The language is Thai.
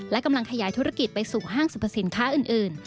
และกำลังขยายธุรกิจไปสู่ห้างสรรพสินค้าอื่น